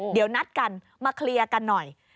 เดี๋ยวนัดกันมาเคลียร์กันหน่อย